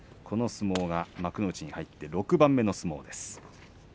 この相撲は幕内に入って６番目の相撲です。